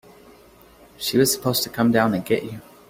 She was supposed to come down and get you.